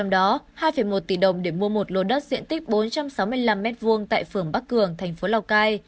đó hai một tỷ đồng để mua một lô đất diện tích bốn trăm sáu mươi năm m hai tại phường bắc cường thành phố lào cai